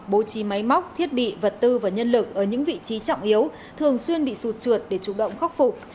bố trí máy móc thiết bị vật tư và nhân lực ở những vị trí trọng yếu thường xuyên bị sụt trượt để chủ động khắc phục